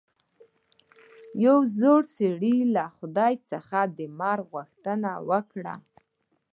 یوه زاړه سړي له خدای څخه د مرګ غوښتنه وکړه.